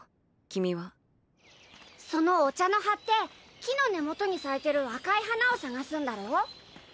君はそのお茶の葉って木の根元に咲いてる赤い花を探すんだろ？